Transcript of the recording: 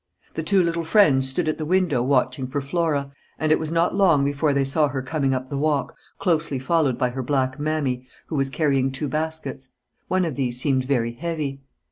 The two little friends stood at the window watching for Flora, and it was not long before they saw her coming up the walk, closely followed by her black "Mammy," who was carrying two baskets. One of these seemed very heavy.